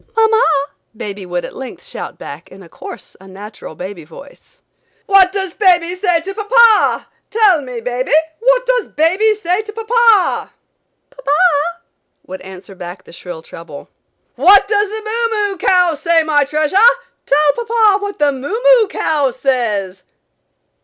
"Mamma!" baby would at length shout back in a coarse, unnatural baby voice. "What does baby say to papa? Tell me, baby, what does baby say to papa?" "Papa!" would answer back the shrill treble. "What does the moo moo cow say, my treasure; tell papa what the moo moo cow says?"